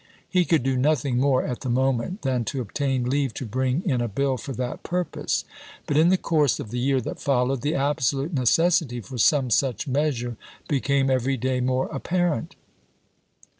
He could do noth ing more at the moment than to obtain leave to bring in a biU for that pm*pose ; but in the course of the year that followed, the absolute necessity for some such measure became every day more appar ent.